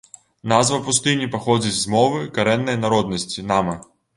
Назва пустыні паходзіць з мовы карэннай народнасці нама.